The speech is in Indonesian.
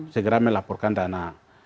segera melaporkan dana